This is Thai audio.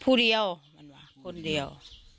ผู้เดียวคนเดียว